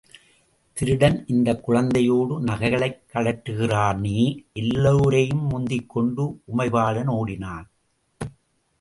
திருடன் இந்தக் குழந்தையோட நகைகளைக் கழற்றுகிறானே? எல்லோரையும் முந்திக்கொண்டு உமைபாலன் ஓடினான்.